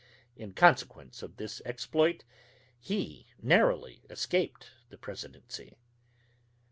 In consequence of this exploit, he narrowly escaped the Presidency.